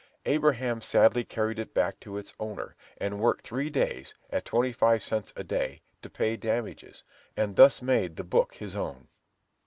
Abraham sadly carried it back to its owner, and worked three days, at twenty five cents a day, to pay damages, and thus made the book his own.